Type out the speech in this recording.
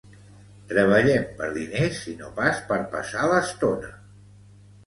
Treballem per diners i no pas per passar l'estona.